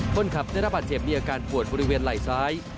คนขับในระบัดเสพมีอาการปวดบริเวณไหลซ้าย